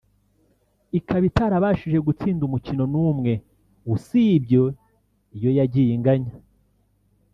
ikaba itarabashije gutsinda umukino n’umwe usibye iyo yagiye inganya